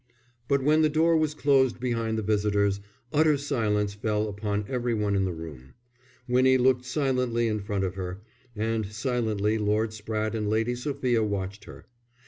But when the door was closed behind the visitors utter silence fell upon every one in the room. Winnie looked silently in front of her, and silently Lord Spratte and Lady Sophia watched her.